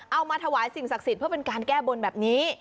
เอามาถวายสิ่งศักดิ์สิทธิ์เพื่อเป็นการแก้บนแบบนี้